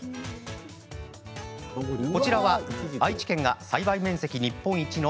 こちらは、愛知県が栽培面積日本一の